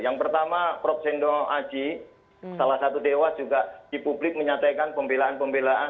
yang pertama prof sendo aji salah satu dewas juga di publik menyatakan pembelaan pembelaan